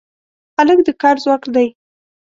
هلک د کار ځواک دی.